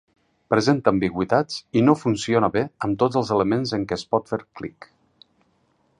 Presenta ambigüitats i no funciona bé amb tots els elements en què es pot fer clic.